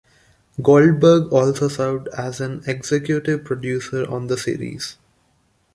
Goldberg also served as an executive producer on the series.